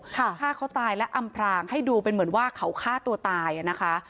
ฆ่าเขาตายและอำพรางให้ดูเป็นเหมือนว่าเขาฆ่าตัวตายอ่ะนะคะ